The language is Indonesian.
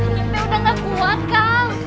nanti udah gak kuat kang